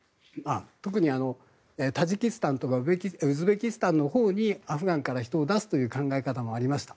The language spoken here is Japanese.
特にタジキスタンとかウズベキスタンのほうにアフガンから人を出すという考え方もありました。